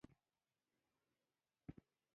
هېڅ ښځینه ستورمزلې نه وه، خو ما یوازې داسې فکر وکړ،